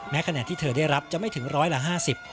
ขณะที่เธอได้รับจะไม่ถึงร้อยละห้าสิบ